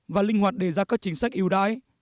và linh hoạt đề ra các chính sách yêu đái